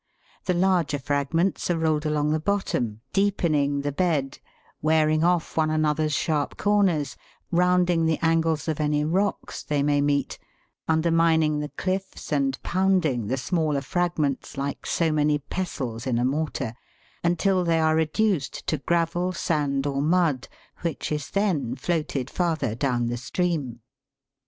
The larger fragments are rolled along the bottom, deepening the bed, wearing off one another's sharp corners, rounding the angles of any rocks they may meet, undermining the cliffs and pounding the smaller fragments like so many pestles in a mortar, until they are reduced to gravel, sand, or mud, which is then floated farther down the stream.